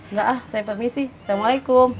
enggak ah saya permisi assalamualaikum